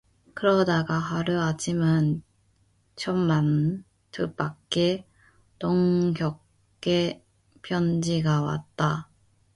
그러다가 하루 아침은 천만뜻밖에 동혁의 편지가 왔다.